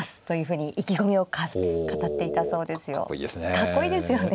かっこいいですよね。